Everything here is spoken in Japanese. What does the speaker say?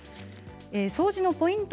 掃除のポイント